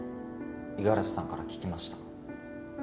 五十嵐さんから聞きました。